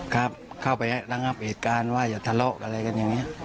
ครับเข้าไประงับเหตุการณ์ว่าอย่าทะเลาะอะไรกันอย่างนี้